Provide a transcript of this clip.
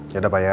yaudah pak ya